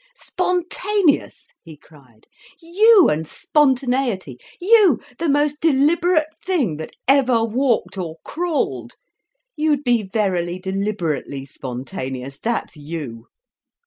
"Spontaneous!" he cried. "You and spontaneity! You, the most deliberate thing that ever walked or crawled! You'd be verily deliberately spontaneous—that's you.